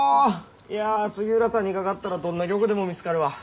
いや杉浦さんにかかったらどんな曲でも見つかるわ。